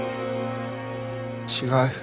違う。